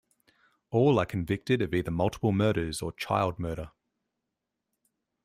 All are convicted of either multiple murders or child murder.